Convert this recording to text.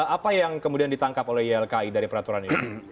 apa yang kemudian ditangkap oleh ylki dari peraturan ini